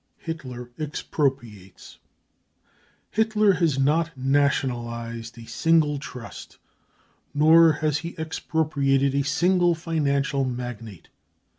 Hitler Expropriates ! Hitler has not nationalised a single trust, nor has tie expropriated a single financial magnate.